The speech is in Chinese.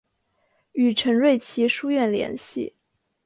与陈瑞祺书院联系。